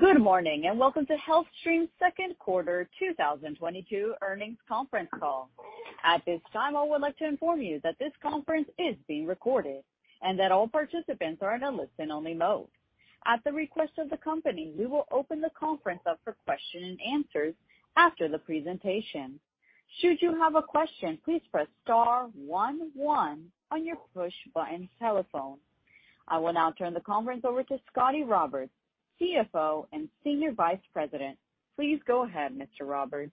Good morning, and welcome to HealthStream's second quarter 2022 earnings conference call. At this time, I would like to inform you that this conference is being recorded and that all participants are in a listen-only mode. At the request of the company, we will open the conference up for question and answers after the presentation. Should you have a question, please press star one one on your push button telephone. I will now turn the conference over to Scott A. Roberts, CFO and Senior Vice President. Please go ahead, Mr. Roberts.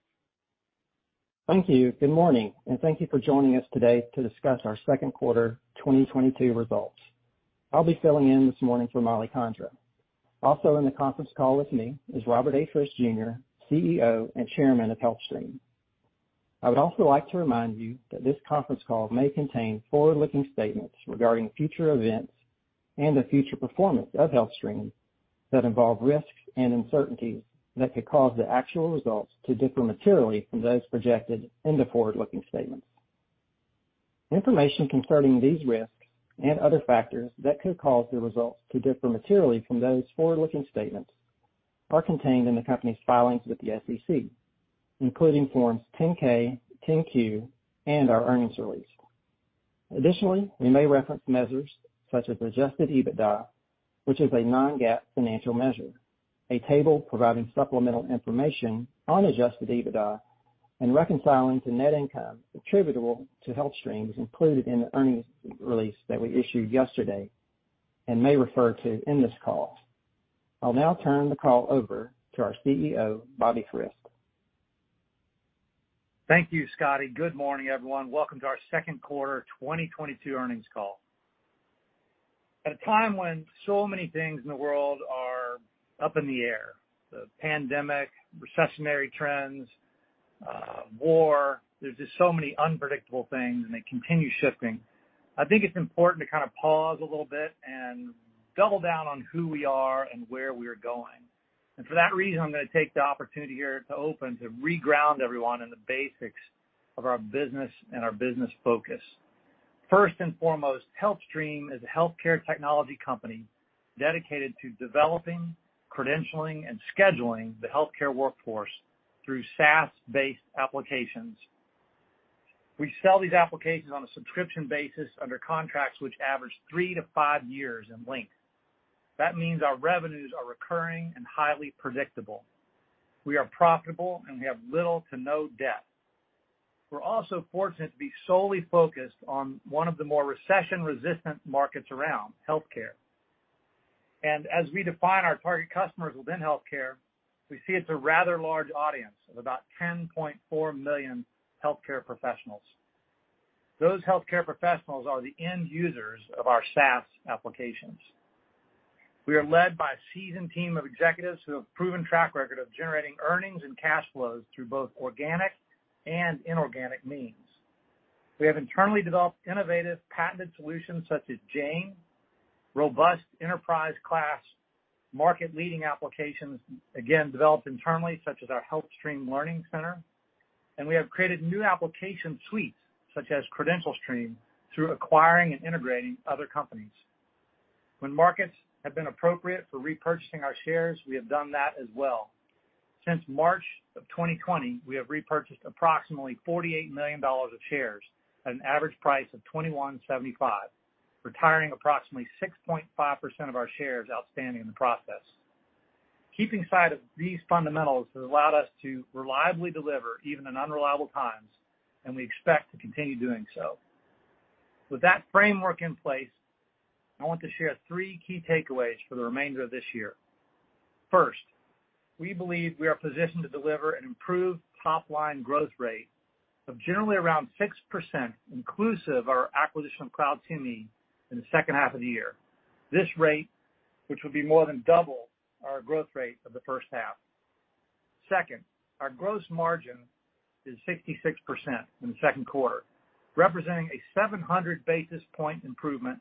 Thank you. Good morning, and thank you for joining us today to discuss our second quarter 2022 results. I'll be filling in this morning for Mollie Condra. Also in the conference call with me is Robert A. Frist, Jr., CEO and Chairman of HealthStream. I would also like to remind you that this conference call may contain forward-looking statements regarding future events and the future performance of HealthStream that involve risks and uncertainties that could cause the actual results to differ materially from those projected in the forward-looking statements. Information concerning these risks and other factors that could cause the results to differ materially from those forward-looking statements are contained in the company's filings with the SEC, including Form 10-K, Form 10-Q, and our earnings release. Additionally, we may reference measures such as Adjusted EBITDA, which is a non-GAAP financial measure. A table providing supplemental information on Adjusted EBITDA and reconciling to net income attributable to HealthStream is included in the earnings release that we issued yesterday and may refer to in this call. I'll now turn the call over to our CEO, Bobby Frist. Thank you, Scotty. Good morning, everyone. Welcome to our second quarter 2022 earnings call. At a time when so many things in the world are up in the air, the pandemic, recessionary trends, war, there's just so many unpredictable things, and they continue shifting. I think it's important to kind of pause a little bit and double down on who we are and where we're going. For that reason, I'm gonna take the opportunity here to open to reground everyone in the basics of our business and our business focus. First and foremost, HealthStream is a healthcare technology company dedicated to developing, credentialing, and scheduling the healthcare workforce through SaaS-based applications. We sell these applications on a subscription basis under contracts which average 3 years-5 years in length. That means our revenues are recurring and highly predictable. We are profitable, and we have little to no debt. We're also fortunate to be solely focused on one of the more recession-resistant markets around, healthcare. As we define our target customers within healthcare, we see it's a rather large audience of about 10.4 million healthcare professionals. Those healthcare professionals are the end users of our SaaS applications. We are led by a seasoned team of executives who have proven track record of generating earnings and cash flows through both organic and inorganic means. We have internally developed innovative, patented solutions such as Jane, robust enterprise-class market-leading applications, again, developed internally, such as our HealthStream Learning Center. We have created new application suites such as CredentialStream through acquiring and integrating other companies. When markets have been appropriate for repurchasing our shares, we have done that as well. Since March of 2020, we have repurchased approximately $48 million of shares at an average price of $21.75, retiring approximately 6.5% of our shares outstanding in the process. Keeping sight of these fundamentals has allowed us to reliably deliver even in unreliable times, and we expect to continue doing so. With that framework in place, I want to share three key takeaways for the remainder of this year. First, we believe we are positioned to deliver an improved top-line growth rate of generally around 6% inclusive of our acquisition of CloudCME in the second half of the year. This rate, which will be more than double our growth rate of the first half. Second, our gross margin is 66% in the second quarter, representing a 700 basis point improvement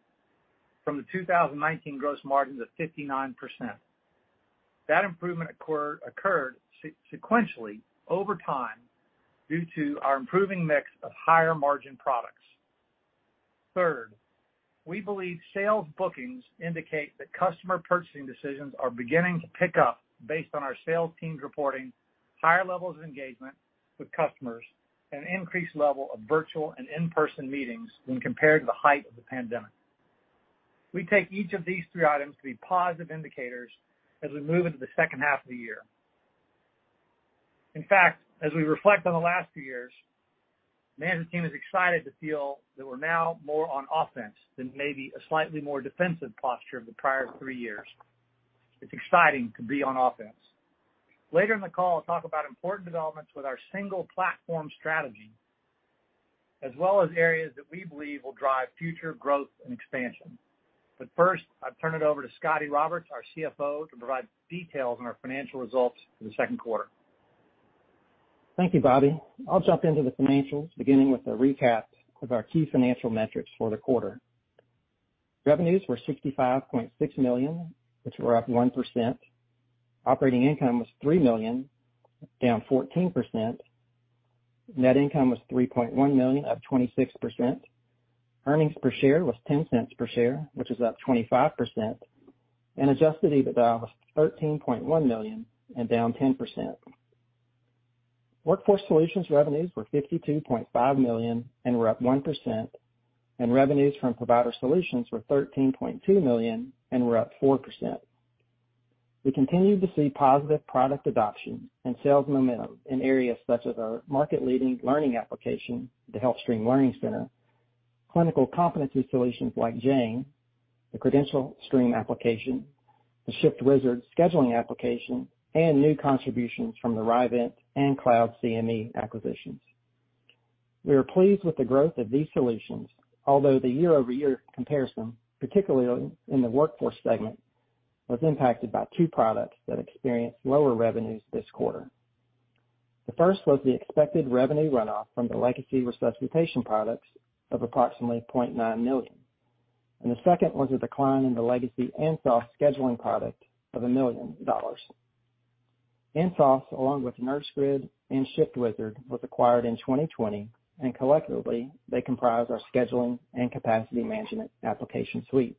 from the 2019 gross margin of 59%. That improvement occurred sequentially over time due to our improving mix of higher margin products. Third, we believe sales bookings indicate that customer purchasing decisions are beginning to pick up based on our sales teams reporting higher levels of engagement with customers and increased level of virtual and in-person meetings when compared to the height of the pandemic. We take each of these three items to be positive indicators as we move into the second half of the year. In fact, as we reflect on the last few years, the management team is excited to feel that we're now more on offense than maybe a slightly more defensive posture of the prior three years. It's exciting to be on offense. Later in the call, I'll talk about important developments with our single platform strategy, as well as areas that we believe will drive future growth and expansion. First, I turn it over to Scott A. Roberts, our CFO, to provide details on our financial results for the second quarter. Thank you, Bobby. I'll jump into the financials, beginning with a recap of our key financial metrics for the quarter. Revenues were $65.6 million, which were up 1%. Operating income was $3 million, down 14%. Net income was $3.1 million, up 26%. Earnings per share was $0.10 per share, which is up 25%, and adjusted EBITDA was $13.1 million and down 10%. Workforce Solutions revenues were $52.5 million and were up 1%, and revenues from Provider Solutions were $13.2 million and were up 4%. We continue to see positive product adoption and sales momentum in areas such as our market-leading learning application, the HealthStream Learning Center, clinical competency solutions like Jane, the CredentialStream application, the ShiftWizard scheduling application, and new contributions from the Rievent and CloudCME acquisitions. We are pleased with the growth of these solutions, although the year-over-year comparison, particularly in the workforce segment, was impacted by two products that experienced lower revenues this quarter. The first was the expected revenue runoff from the legacy resuscitation products of approximately $0.9 million, and the second was a decline in the legacy Ansos scheduling product of $1 million. Ansos, along with NurseGrid and ShiftWizard, was acquired in 2020, and collectively they comprise our scheduling and capacity management application suite.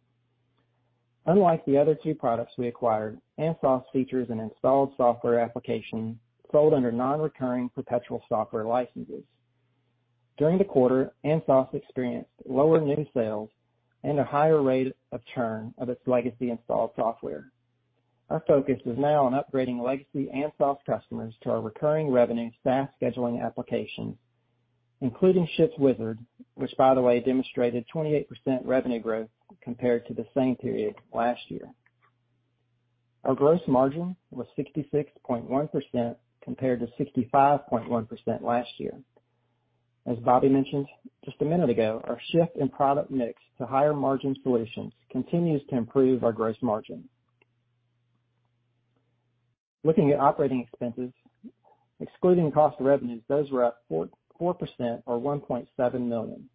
Unlike the other two products we acquired, Ansos features an installed software application sold under non-recurring perpetual software licenses. During the quarter, Ansos experienced lower new sales and a higher rate of churn of its legacy installed software. Our focus is now on upgrading legacy Ansos customers to our recurring revenue SaaS scheduling application, including ShiftWizard, which by the way demonstrated 28% revenue growth compared to the same period last year. Our gross margin was 66.1% compared to 65.1% last year. As Bobby mentioned just a minute ago, our shift in product mix to higher margin solutions continues to improve our gross margin. Looking at operating expenses, excluding cost of revenues, those were up 4% or $1.7 million.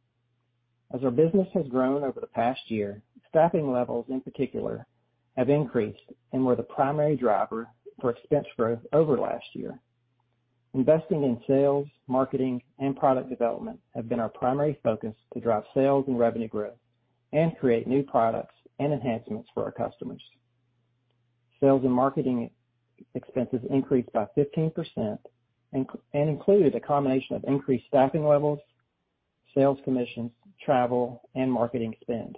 As our business has grown over the past year, staffing levels in particular have increased and were the primary driver for expense growth over last year. Investing in sales, marketing and product development have been our primary focus to drive sales and revenue growth and create new products and enhancements for our customers. Sales and marketing expenses increased by 15% and include a combination of increased staffing levels, sales commissions, travel and marketing spend.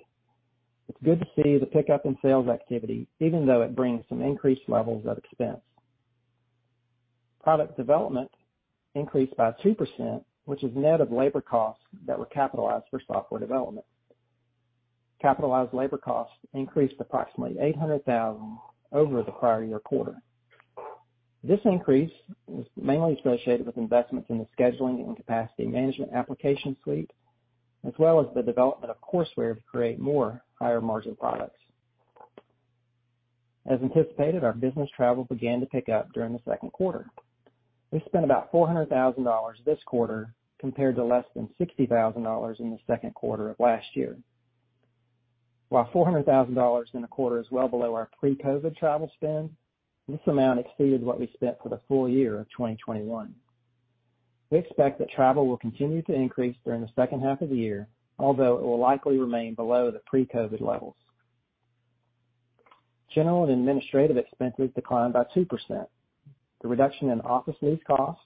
It's good to see the pickup in sales activity even though it brings some increased levels of expense. Product development increased by 2%, which is net of labor costs that were capitalized for software development. Capitalized labor costs increased approximately $800,000 over the prior-year quarter. This increase was mainly associated with investments in the scheduling and capacity management application suite, as well as the development of courseware to create more higher margin products. As anticipated, our business travel began to pick up during the second quarter. We spent about $400,000 this quarter compared to less than $60,000 in the second quarter of last year. While $400,000 in a quarter is well below our pre-COVID travel spend, this amount exceeded what we spent for the full-year of 2021. We expect that travel will continue to increase during the second half of the year, although it will likely remain below the pre-COVID levels. General & administrative expenses declined by 2%. The reduction in office lease costs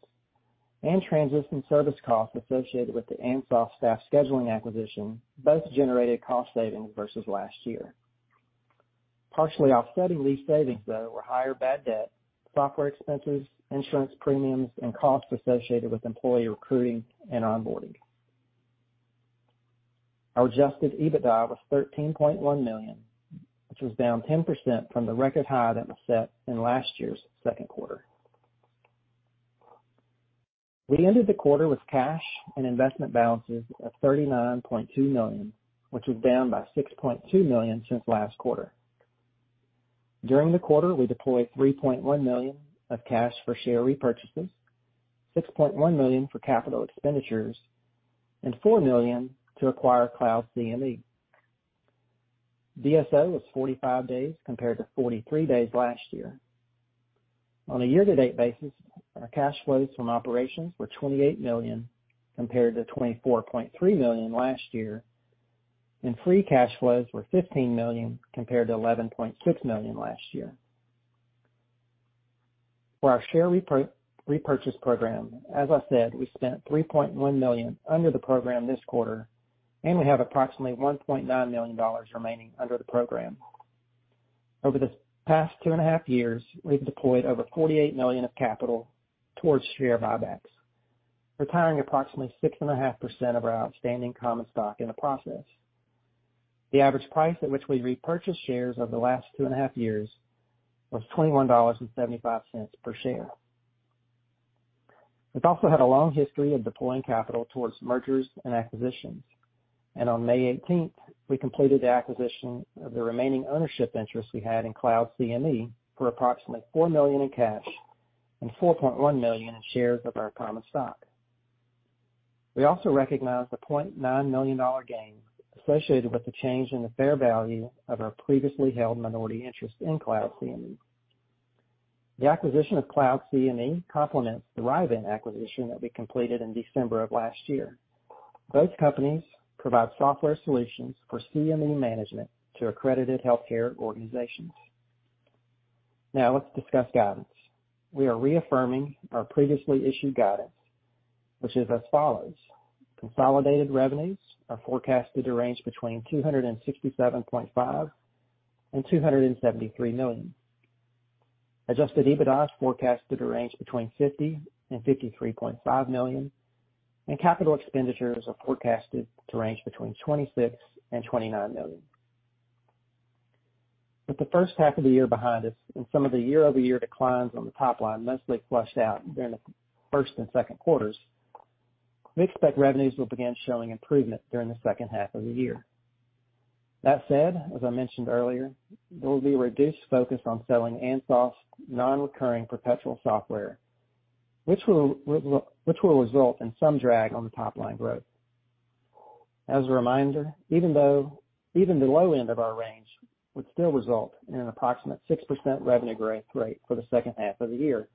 and transition service costs associated with the Ansos staff scheduling acquisition both generated cost savings versus last year. Partially offsetting lease savings, though, were higher bad debt, software expenses, insurance premiums, and costs associated with employee recruiting and onboarding. Our Adjusted EBITDA was $13.1 million, which was down 10% from the record high that was set in last year's second quarter. We ended the quarter with cash and investment balances of $39.2 million, which was down by $6.2 million since last quarter. During the quarter, we deployed $3.1 million of cash for share repurchases, $6.1 million for capital expenditures, and $4 million to acquire CloudCME. DSO was 45 days compared to 43 days last year. On a year-to-date basis, our cash flows from operations were $28 million compared to $24.3 million last year, and free cash flows were $15 million compared to $11.6 million last year. For our share repurchase program, as I said, we spent $3.1 million under the program this quarter, and we have approximately $1.9 million remaining under the program. Over the past two and a half years, we've deployed over $48 million of capital towards share buybacks, retiring approximately 6.5% of our outstanding common stock in the process. The average price at which we repurchased shares over the last two and a half years was $21.75 per share. We've also had a long history of deploying capital towards mergers and acquisitions. On May eighteenth, we completed the acquisition of the remaining ownership interest we had in CloudCME for approximately $4 million in cash and $4.1 million in shares of our common stock. We also recognized a $0.9 million gain associated with the change in the fair value of our previously held minority interest in CloudCME. The acquisition of CloudCME complements the Rievent acquisition that we completed in December of last year. Both companies provide software solutions for CME management to accredited healthcare organizations. Now let's discuss guidance. We are reaffirming our previously issued guidance, which is as follows. Consolidated revenues are forecasted to range between $267.5 million and $273 million. Adjusted EBITDA is forecasted to range between $50 million and $53.5 million. Capital expenditures are forecasted to range between $26 million and $29 million. With the first half of the year behind us and some of the year-over-year declines on the top line mostly flushed out during the first and second quarters, we expect revenues will begin showing improvement during the second half of the year. That said, as I mentioned earlier, there will be a reduced focus on selling Ansos's non-recurring perpetual software, which will result in some drag on the top-line growth. As a reminder, even though the low end of our range would still result in an approximate 6% revenue growth rate for the second half of the year,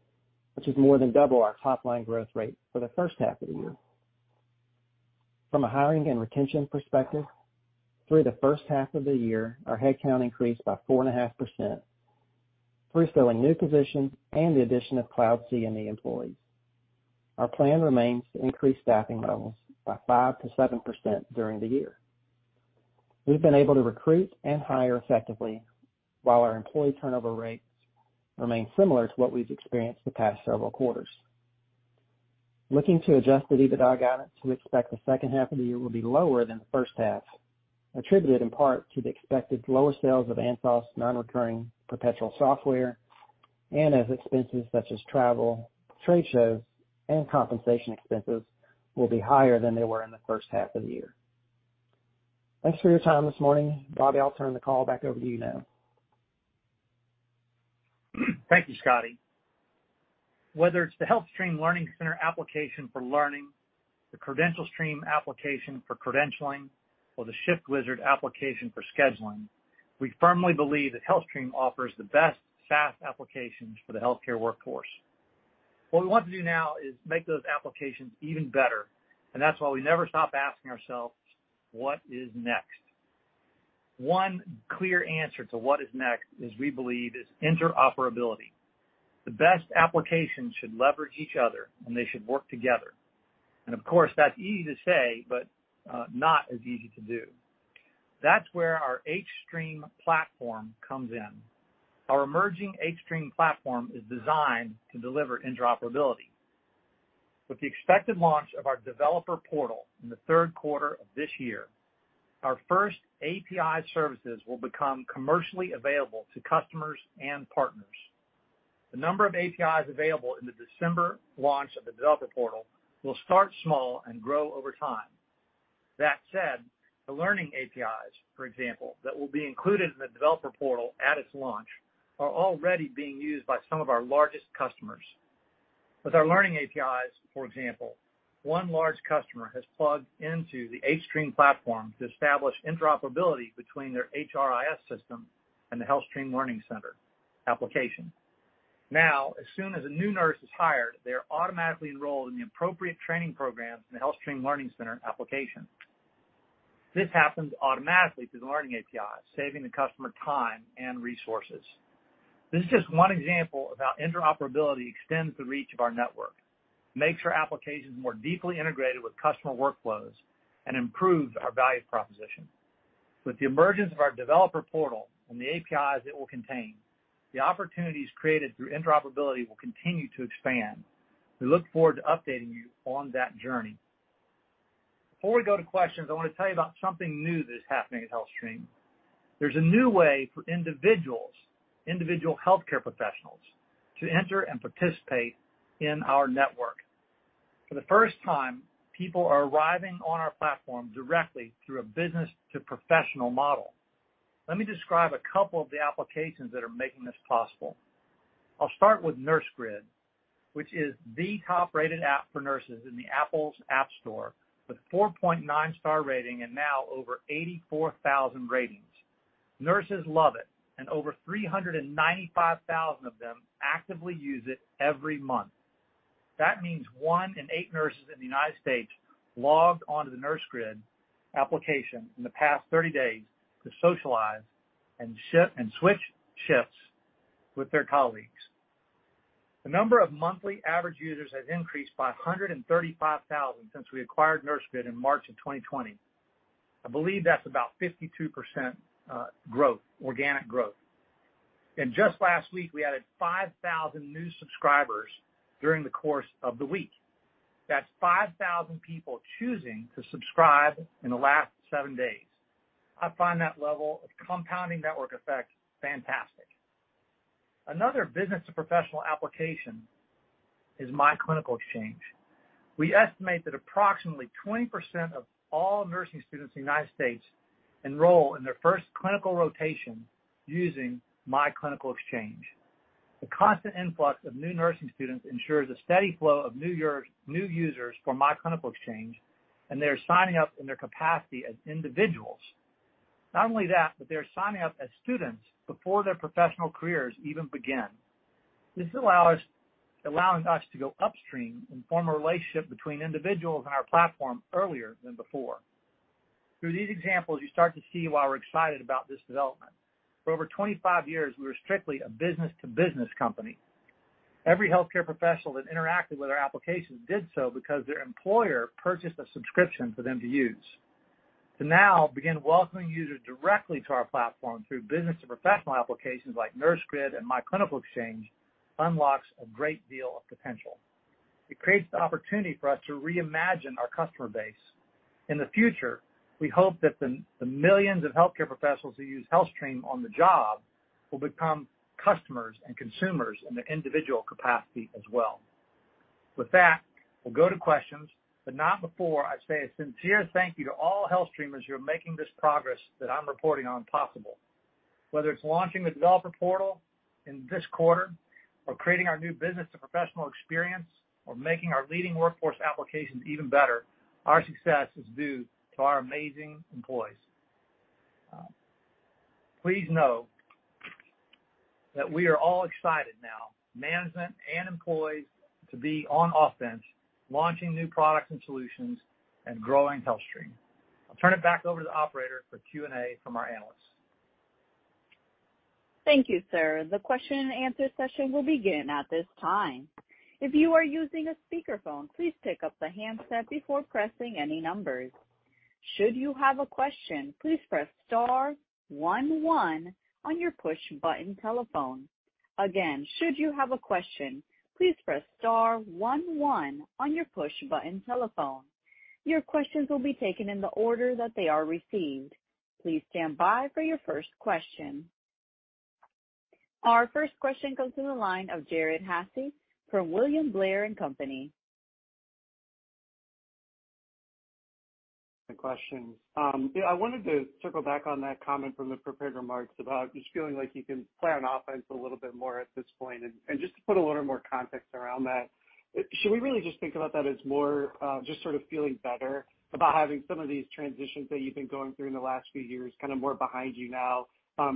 which is more than double our top line growth rate for the first half of the year. From a hiring and retention perspective, through the first half of the year, our headcount increased by 4.5%, refilling new positions and the addition of CloudCME employees. Our plan remains to increase staffing levels by 5%-7% during the year. We've been able to recruit and hire effectively while our employee turnover rates remain similar to what we've experienced the past several quarters. Looking to adjusted EBITDA guidance, we expect the second half of the year will be lower than the first half, attributed in part to the expected lower sales of Ansos's non-recurring perpetual software, and as expenses such as travel, trade shows, and compensation expenses will be higher than they were in the first half of the year. Thanks for your time this morning. Robbie, I'll turn the call back over to you now. Thank you, Scotty. Whether it's the HealthStream Learning Center application for learning, the CredentialStream application for credentialing, or the ShiftWizard application for scheduling, we firmly believe that HealthStream offers the best SaaS applications for the healthcare workforce. What we want to do now is make those applications even better, and that's why we never stop asking ourselves what is next. One clear answer to what is next is we believe interoperability. The best applications should leverage each other, and they should work together. Of course, that's easy to say, but, not as easy to do. That's where our hStream platform comes in. Our emerging hStream platform is designed to deliver interoperability. With the expected launch of our developer portal in the third quarter of this year, our first API services will become commercially available to customers and partners. The number of APIs available in the December launch of the developer portal will start small and grow over time. That said, the learning APIs, for example, that will be included in the developer portal at its launch, are already being used by some of our largest customers. With our learning APIs, for example, one large customer has plugged into the hStream platform to establish interoperability between their HRIS system and the HealthStream Learning Center application. Now, as soon as a new nurse is hired, they are automatically enrolled in the appropriate training programs in the HealthStream Learning Center application. This happens automatically through the learning API, saving the customer time and resources. This is just one example of how interoperability extends the reach of our network, makes our applications more deeply integrated with customer workflows, and improves our value proposition. With the emergence of our developer portal and the APIs it will contain, the opportunities created through interoperability will continue to expand. We look forward to updating you on that journey. Before we go to questions, I wanna tell you about something new that is happening at HealthStream. There's a new way for individuals, individual healthcare professionals to enter and participate in our network. For the first time, people are arriving on our platform directly through a business-to-professional model. Let me describe a couple of the applications that are making this possible. I'll start with NurseGrid, which is the top-rated app for nurses in the Apple's App Store, with a 4.9-star rating and now over 84,000 ratings. Nurses love it, and over 395,000 of them actively use it every month. That means one in eight nurses in the United States logged onto the NurseGrid application in the past 30 days to socialize and shift, and switch shifts with their colleagues. The number of monthly average users has increased by 135,000 since we acquired NurseGrid in March of 2020. I believe that's about 52% growth, organic growth. Just last week, we added 5,000 new subscribers during the course of the week. That's 5,000 people choosing to subscribe in the last seven days. I find that level of compounding network effect fantastic. Another business-to-professional application is myClinicalExchange. We estimate that approximately 20% of all nursing students in the United States enroll in their first clinical rotation using myClinicalExchange. The constant influx of new nursing students ensures a steady flow of new users for myClinicalExchange, and they are signing up in their capacity as individuals. Not only that, but they're signing up as students before their professional careers even begin. This allows us to go upstream and form a relationship between individuals and our platform earlier than before. Through these examples, you start to see why we're excited about this development. For over 25 years, we were strictly a business-to-business company. Every healthcare professional that interacted with our applications did so because their employer purchased a subscription for them to use. To now begin welcoming users directly to our platform through business and professional applications like NurseGrid and myClinicalExchange unlocks a great deal of potential. It creates the opportunity for us to reimagine our customer base. In the future, we hope that the millions of healthcare professionals who use HealthStream on the job will become customers and consumers in their individual capacity as well. With that, we'll go to questions, but not before I say a sincere thank you to all HealthStreamers who are making this progress that I'm reporting on possible. Whether it's launching the developer portal in this quarter or creating our new business to professional experience or making our leading workforce applications even better, our success is due to our amazing employees. Please know that we are all excited now, management and employees, to be on offense, launching new products and solutions and growing HealthStream. I'll turn it back over to the operator for Q&A from our analysts. Thank you, sir. The question and answer session will begin at this time. If you are using a speakerphone, please pick up the handset before pressing any numbers. Should you have a question, please press star one one on your push button telephone. Again, should you have a question, please press star one one on your push button telephone. Your questions will be taken in the order that they are received. Please stand by for your first question. Our first question comes to the line of Ryan Daniels from William Blair & Company. The questions. Yeah, I wanted to circle back on that comment from the prepared remarks about just feeling like you can play on offense a little bit more at this point. Just to put a little more context around that, should we really just think about that as more, just sort of feeling better about having some of these transitions that you've been going through in the last few years kind of more behind you now,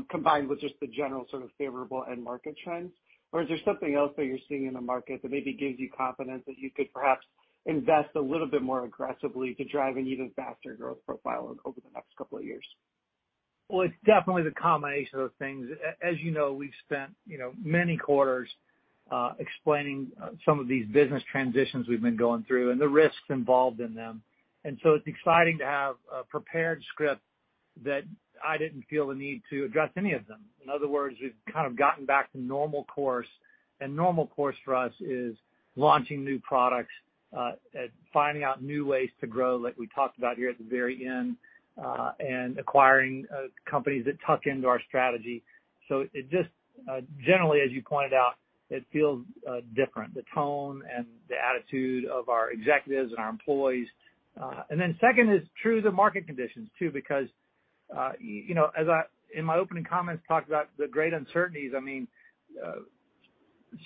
combined with just the general sort of favorable end market trends? Or is there something else that you're seeing in the market that maybe gives you confidence that you could perhaps invest a little bit more aggressively to drive an even faster growth profile over the next couple of years? Well, it's definitely the combination of things. As you know, we've spent, you know, many quarters explaining some of these business transitions we've been going through and the risks involved in them. It's exciting to have a prepared script that I didn't feel the need to address any of them. In other words, we've kind of gotten back to normal course. Normal course for us is launching new products, finding out new ways to grow, like we talked about here at the very end, and acquiring companies that tuck into our strategy. It just generally, as you pointed out, feels different, the tone and the attitude of our executives and our employees. Second is true to market conditions too, because you know, as I in my opening comments talked about the great uncertainties. I mean,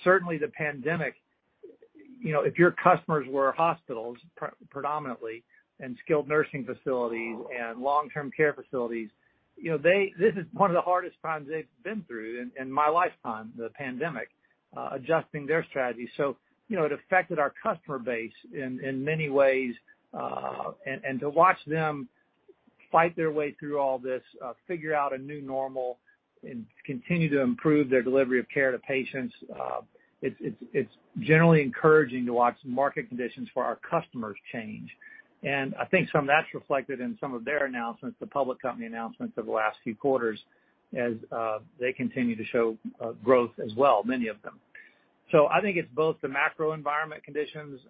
certainly the pandemic, you know, if your customers were hospitals predominantly and skilled nursing facilities and long-term care facilities, you know, they this is one of the hardest times they've been through in my lifetime, the pandemic, adjusting their strategy. You know, it affected our customer base in many ways, and to watch them fight their way through all this, figure out a new normal and continue to improve their delivery of care to patients, it's generally encouraging to watch market conditions for our customers change. I think some of that's reflected in some of their announcements, the public company announcements over the last few quarters as they continue to show growth as well, many of them. I think it's both the macro environment conditions.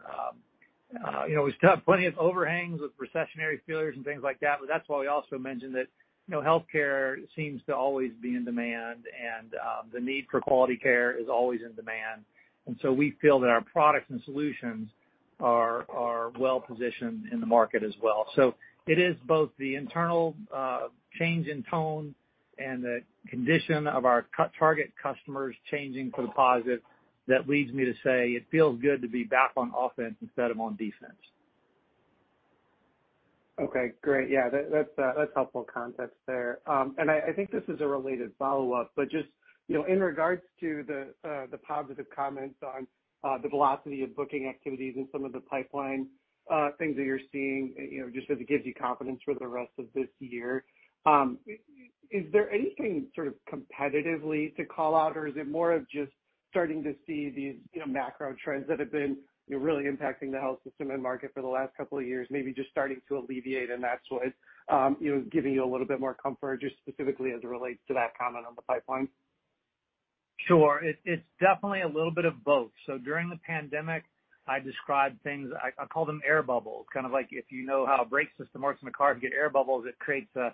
You know, we still have plenty of overhangs with recessionary fears and things like that, but that's why we also mentioned that, you know, healthcare seems to always be in demand and the need for quality care is always in demand. We feel that our products and solutions are well positioned in the market as well. It is both the internal change in tone and the condition of our target customers changing for the positive that leads me to say it feels good to be back on offense instead of on defense. Okay, great. Yeah, that's helpful context there. I think this is a related follow-up, but just, you know, in regards to the positive comments on the velocity of booking activities and some of the pipeline things that you're seeing, you know, just as it gives you confidence for the rest of this year, is there anything sort of competitively to call out, or is it more of just starting to see these, you know, macro trends that have been, you know, really impacting the healthcare system and market for the last couple of years, maybe just starting to alleviate, and that's what giving you a little bit more comfort, just specifically as it relates to that comment on the pipeline? Sure. It's definitely a little bit of both. During the pandemic, I described things, I call them air bubbles. Kind of like if you know how a brake system works in a car, if you get air bubbles, it creates a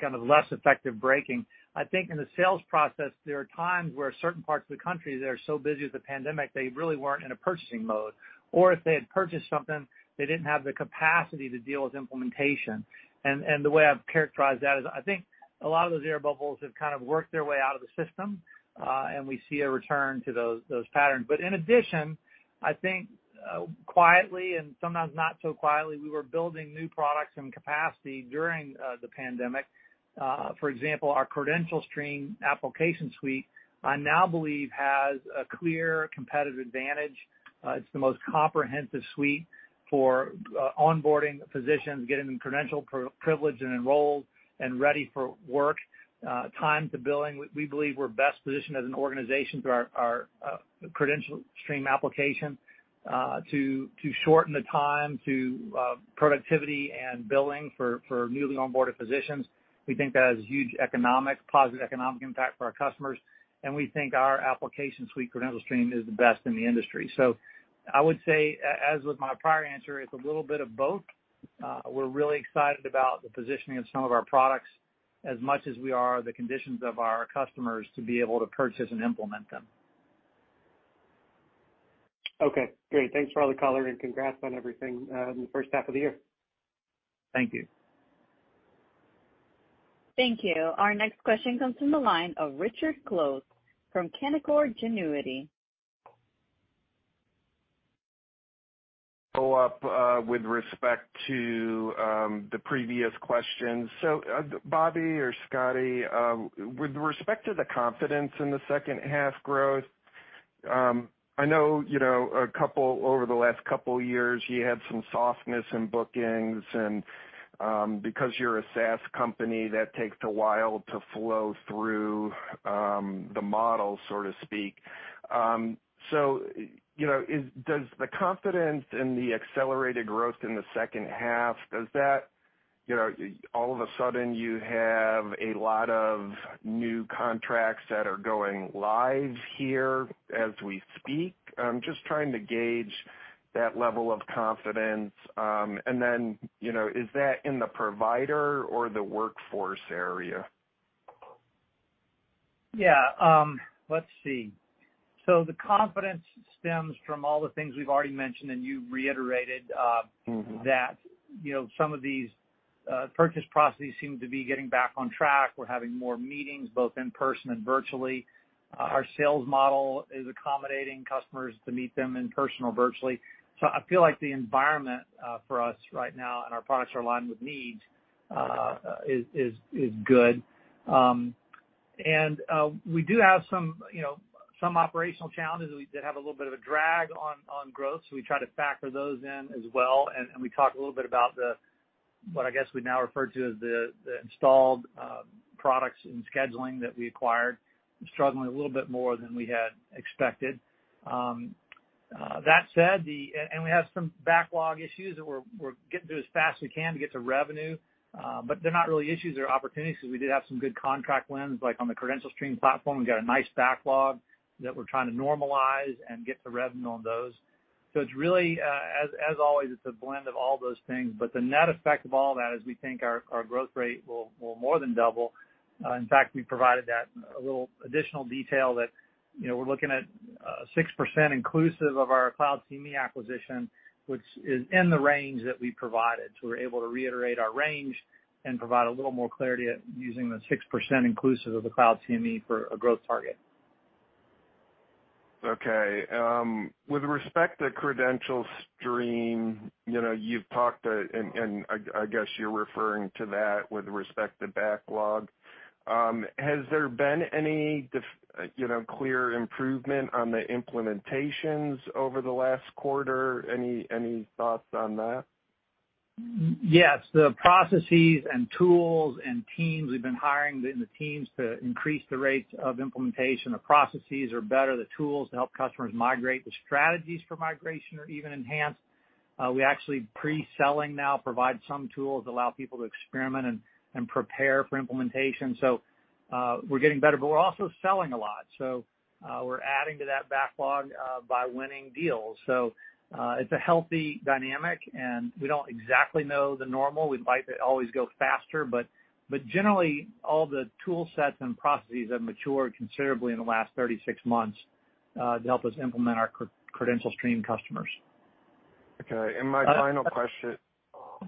kind of less effective braking. I think in the sales process, there are times where certain parts of the country that are so busy with the pandemic, they really weren't in a purchasing mode. If they had purchased something, they didn't have the capacity to deal with implementation. The way I've characterized that is I think a lot of those air bubbles have kind of worked their way out of the system, and we see a return to those patterns. In addition, I think, quietly and sometimes not so quietly, we were building new products and capacity during the pandemic. For example, our CredentialStream application suite, I now believe has a clear competitive advantage. It's the most comprehensive suite for onboarding physicians, getting them credentialed, privileged and enrolled and ready for work. Time to billing, we believe we're best positioned as an organization through our CredentialStream application to shorten the time to productivity and billing for newly onboarded physicians. We think that has huge economic, positive economic impact for our customers, and we think our application suite, CredentialStream, is the best in the industry. I would say as with my prior answer, it's a little bit of both. We're really excited about the positioning of some of our products as much as we are the conditions of our customers to be able to purchase and implement them. Okay, great. Thanks for all the color and congrats on everything in the first half of the year. Thank you. Thank you. Our next question comes from the line of Richard Close from Canaccord Genuity. Follow up with respect to the previous questions. Bobby or Scotty, with respect to the confidence in the second half growth, I know, you know, over the last couple years you had some softness in bookings and, because you're a SaaS company, that takes a while to flow through the model, so to speak. You know, does the confidence in the accelerated growth in the second half, does that, you know, all of a sudden you have a lot of new contracts that are going live here as we speak? I'm just trying to gauge that level of confidence. Then, you know, is that in the Provider or the Workforce area? Yeah. Let's see. The confidence stems from all the things we've already mentioned, and you reiterated. Mm-hmm that, you know, some of these purchase processes seem to be getting back on track. We're having more meetings, both in person and virtually. Our sales model is accommodating customers to meet them in person or virtually. I feel like the environment for us right now, and our products are aligned with need, is good. We do have some, you know, some operational challenges that we did have a little bit of a drag on growth, so we try to factor those in as well. We talked a little bit about the what I guess we now refer to as the installed products in scheduling that we acquired. Struggling a little bit more than we had expected. That said, the We have some backlog issues that we're getting through as fast as we can to get to revenue. They're not really issues, they're opportunities, because we did have some good contract wins, like on the CredentialStream platform, we've got a nice backlog that we're trying to normalize and get to revenue on those. It's really, as always, it's a blend of all those things. The net effect of all that is we think our growth rate will more than double. In fact, we provided that, a little additional detail that, you know, we're looking at 6% inclusive of our CloudCME acquisition, which is in the range that we provided. We're able to reiterate our range and provide a little more clarity at using the 6% inclusive of the CloudCME for a growth target. Okay. With respect to CredentialStream, you know, you've talked, and I guess you're referring to that with respect to backlog. Has there been any, you know, clear improvement on the implementations over the last quarter? Any thoughts on that? Yes. The processes and tools and teams, we've been hiring the teams to increase the rates of implementation. The processes are better, the tools to help customers migrate, the strategies for migration are even enhanced. We actually pre-selling now provide some tools, allow people to experiment and prepare for implementation. We're getting better, but we're also selling a lot. We're adding to that backlog by winning deals. It's a healthy dynamic, and we don't exactly know the normal. We'd like to always go faster, but generally all the tool sets and processes have matured considerably in the last 36 months to help us implement our CredentialStream customers. Okay. My final question.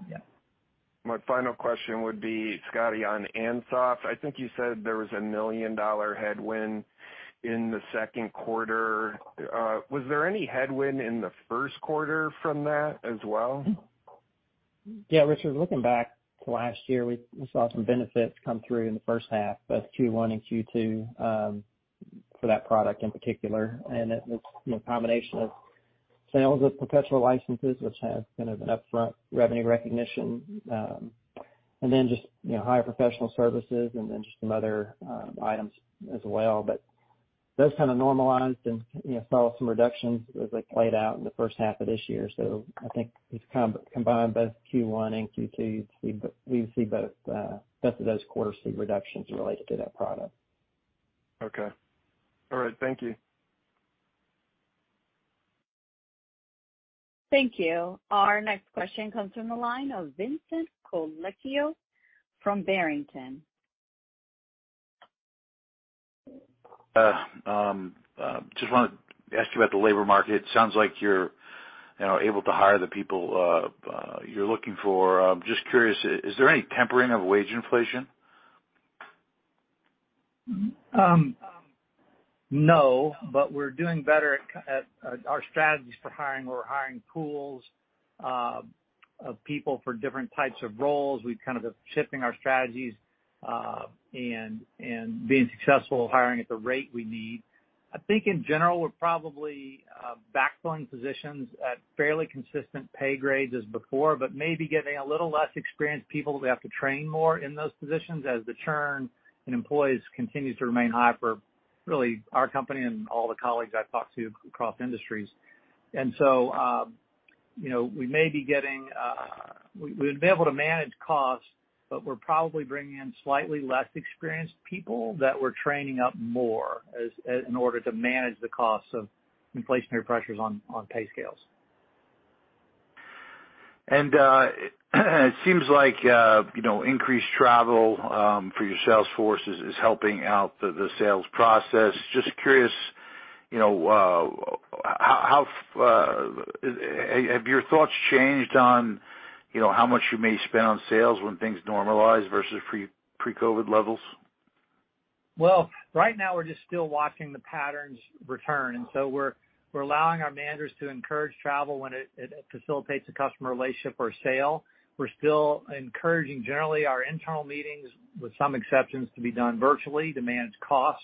Yeah. My final question would be, Scotty, on Ansos. I think you said there was a $1 million headwind in the second quarter. Was there any headwind in the first quarter from that as well? Yeah, Richard, looking back to last year, we saw some benefits come through in the first half, both Q1 and Q2, for that product in particular. It was, you know, a combination of sales of perpetual licenses, which has kind of an upfront revenue recognition, and then just, you know, higher professional services and then just some other items as well. Those kind of normalized and, you know, saw some reductions as, like, laid out in the first half of this year. I think if you kind of combine both Q1 and Q2, you'd see both of those quarters see reductions related to that product. Okay. All right. Thank you. Thank you. Our next question comes from the line of Vincent Colicchio from Barrington. Just wanna ask you about the labor market. Sounds like you're, you know, able to hire the people you're looking for. Just curious, is there any tempering of wage inflation? No, but we're doing better at our strategies for hiring. We're hiring pools of people for different types of roles. We kind of are shifting our strategies and being successful hiring at the rate we need. I think in general, we're probably backfilling positions at fairly consistent pay grades as before, but maybe getting a little less experienced people that we have to train more in those positions as the churn in employees continues to remain high for really our company and all the colleagues I've talked to across industries. You know, we may be getting, we'd be able to manage costs, but we're probably bringing in slightly less experienced people that we're training up more as in order to manage the costs of inflationary pressures on pay scales. It seems like you know increased travel for your sales forces is helping out the sales process. Just curious you know how have your thoughts changed on you know how much you may spend on sales when things normalize versus pre-COVID levels? Well, right now, we're just still watching the patterns return, and so we're allowing our managers to encourage travel when it facilitates a customer relationship or a sale. We're still encouraging generally our internal meetings, with some exceptions, to be done virtually to manage costs.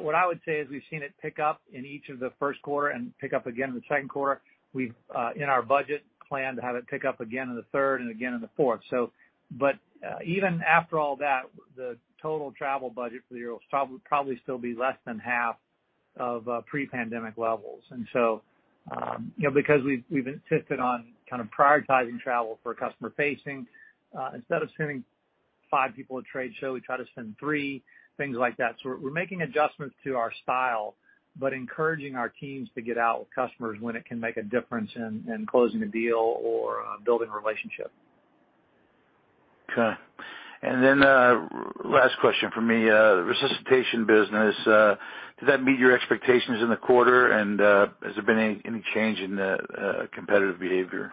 What I would say is we've seen it pick up in each of the first quarter and pick up again in the second quarter. We've in our budget planned to have it pick up again in the third and again in the fourth. But even after all that, the total travel budget for the year will still probably be less than half of pre-pandemic levels. You know, because we've insisted on kind of prioritizing travel for customer facing, instead of sending five people to a trade show, we try to send three, things like that. We're making adjustments to our style, but encouraging our teams to get out with customers when it can make a difference in closing a deal or building a relationship. Okay. Last question from me. The resuscitation business does that meet your expectations in the quarter? Has there been any change in the competitive behavior?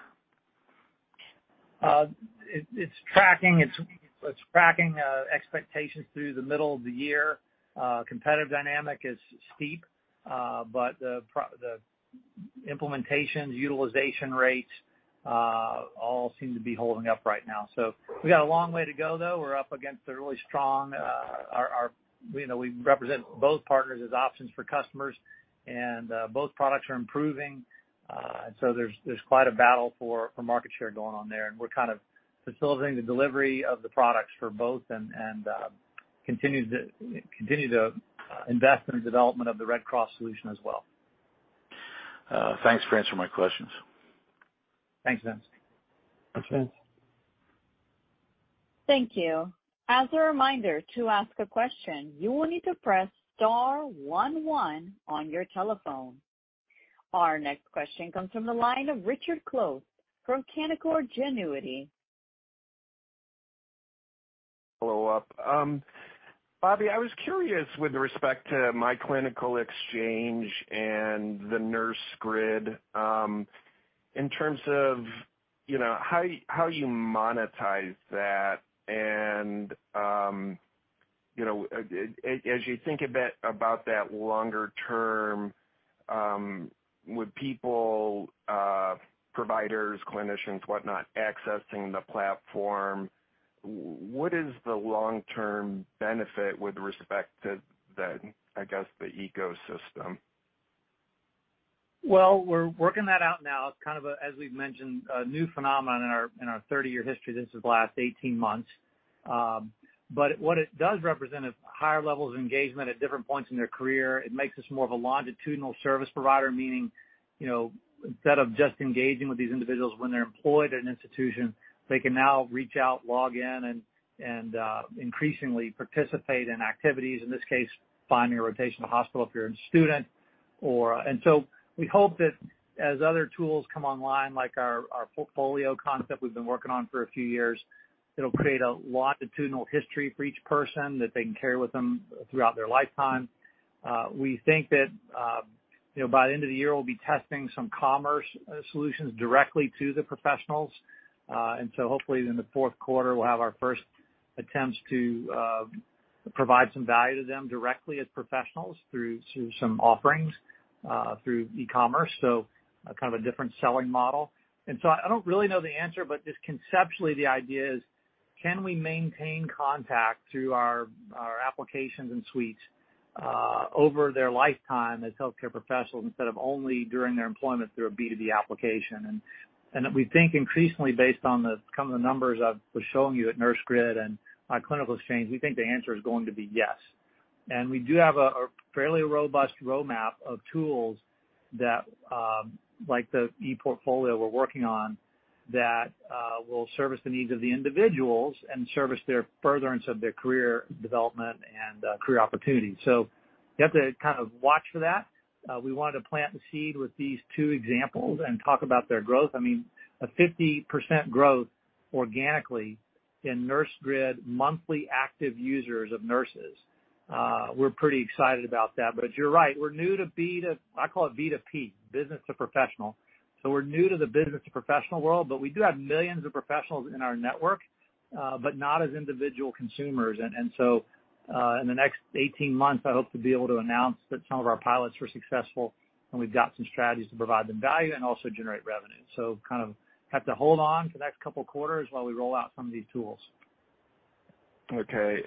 It's tracking expectations through the middle of the year. Competitive dynamic is steep, but the implementations, utilization rates all seem to be holding up right now. We got a long way to go, though. We're up against a really strong, you know, we represent both partners as options for customers, and both products are improving. There's quite a battle for market share going on there, and we're kind of facilitating the delivery of the products for both, and continue to invest in the development of the Red Cross solution as well. Thanks for answering my questions. Thanks, Vince. Thanks, Vince. Thank you. As a reminder, to ask a question, you will need to press star one one on your telephone. Our next question comes from the line of Richard Close from Canaccord Genuity. Follow up. Bobby, I was curious with respect to myClinicalExchange and the NurseGrid, in terms of, you know, how you monetize that, and, you know, as you think a bit about that longer term, with people, providers, clinicians, whatnot, accessing the platform, what is the long-term benefit with respect to the, I guess, the ecosystem? Well, we're working that out now. It's kind of a, as we've mentioned, a new phenomenon in our 30-year history. This is the last 18 months. What it does represent is higher levels of engagement at different points in their career. It makes us more of a longitudinal service provider, meaning, you know, instead of just engaging with these individuals when they're employed at an institution, they can now reach out, log in, and increasingly participate in activities. In this case, finding a rotational hospital if you're a student, or. We hope that as other tools come online, like our portfolio concept we've been working on for a few years, it'll create a longitudinal history for each person that they can carry with them throughout their lifetime. We think that, you know, by the end of the year, we'll be testing some e-commerce solutions directly to the professionals. Hopefully in the fourth quarter, we'll have our first attempts to provide some value to them directly as professionals through some offerings through e-commerce, so kind of a different selling model. I don't really know the answer, but just conceptually the idea is, can we maintain contact through our applications and suites over their lifetime as healthcare professionals instead of only during their employment through a B2B application? We think increasingly based on the kind of the numbers I've was showing you at NurseGrid and myClinicalExchange, we think the answer is going to be yes. We do have a fairly robust roadmap of tools that like the e-portfolio we're working on will service the needs of the individuals and service their furtherance of their career development and career opportunities. You have to kind of watch for that. We wanted to plant the seed with these two examples and talk about their growth. I mean, a 50% growth organically in NurseGrid monthly active users of nurses, we're pretty excited about that. You're right, we're new to B to P, business to professional. We're new to the business-to-professional world, but we do have millions of professionals in our network, but not as individual consumers. In the next 18 months, I hope to be able to announce that some of our pilots were successful, and we've got some strategies to provide them value and also generate revenue. Kind of have to hold on for the next couple of quarters while we roll out some of these tools. Okay.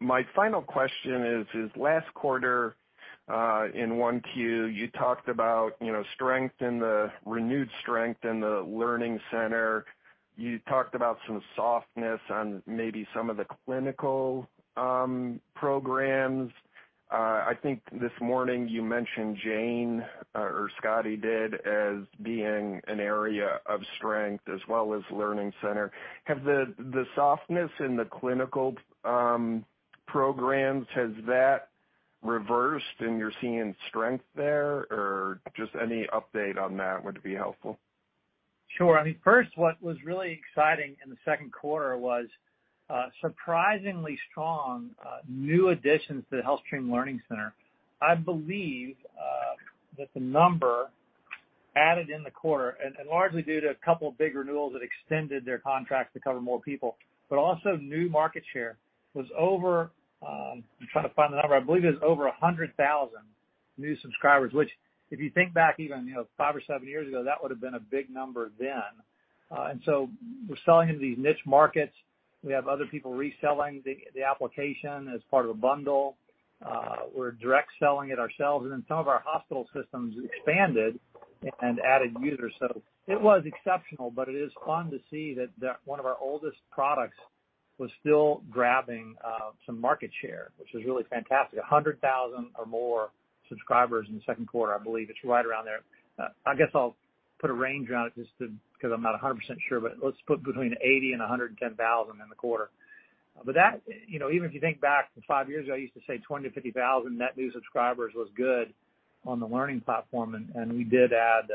My final question is last quarter, in 1Q, you talked about, you know, renewed strength in the learning center. You talked about some softness on maybe some of the clinical programs. I think this morning you mentioned Jane, or Scotty did, as being an area of strength as well as learning center. Has the softness in the clinical programs reversed and you're seeing strength there, or just any update on that would be helpful. Sure. I mean, first, what was really exciting in the second quarter was surprisingly strong new additions to the HealthStream Learning Center. I believe that the number added in the quarter, and largely due to a couple of big renewals that extended their contracts to cover more people, but also new market share, was over. I'm trying to find the number. I believe it was over 100,000 new subscribers, which if you think back even, you know, five or seven years ago, that would've been a big number then. We're selling into these niche markets. We have other people reselling the application as part of a bundle. We're direct selling it ourselves. Then some of our hospital systems expanded and added users. It was exceptional, but it is fun to see that that one of our oldest products was still grabbing some market share, which is really fantastic. 100,000 or more subscribers in the second quarter, I believe. It's right around there. I guess I'll put a range on it just to, 'cause I'm not a hundred percent sure, but let's put between 80,000 and 110,000 in the quarter. But that, you know, even if you think back five years ago, I used to say 20,000-50,000 net new subscribers was good on the learning platform, and we did add,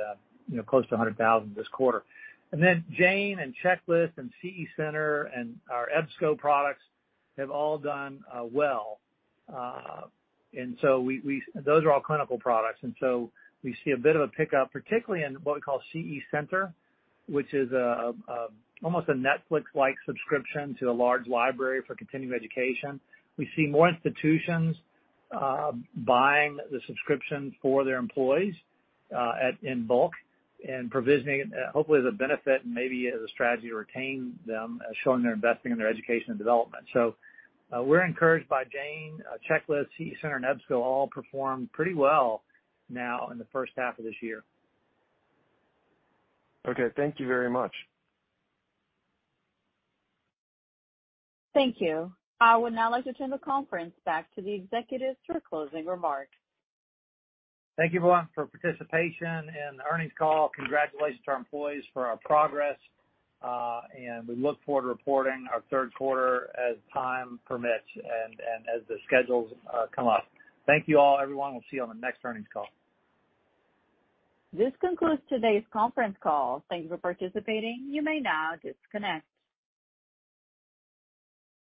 you know, close to 100,000 this quarter. Then Jane and Checklist and CE Center and our EBSCO products have all done well. And so we... Those are all clinical products, and so we see a bit of a pickup, particularly in what we call CE Center, which is almost a Netflix-like subscription to a large library for continuing education. We see more institutions buying the subscription for their employees in bulk and provisioning it hopefully as a benefit and maybe as a strategy to retain them showing they're investing in their education and development. We're encouraged by Jane, Checklist, CE Center, and EBSCO all performed pretty well now in the first half of this year. Okay. Thank you very much. Thank you. I would now like to turn the conference back to the executives for closing remarks. Thank you, everyone, for participation in the earnings call. Congratulations to our employees for our progress, and we look forward to reporting our third quarter as time permits and as the schedules come up. Thank you all, everyone. We'll see you on the next earnings call. This concludes today's conference call. Thank you for participating. You may now disconnect.